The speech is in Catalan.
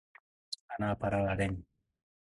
Anar a parar a l'Areny.